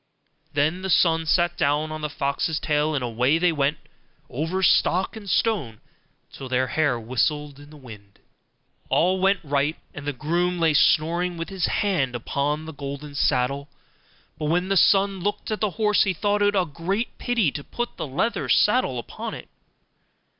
Then the son sat down on the fox's tail, and away they went over stock and stone till their hair whistled in the wind. All went right, and the groom lay snoring with his hand upon the golden saddle. But when the son looked at the horse, he thought it a great pity to put the leathern saddle upon it.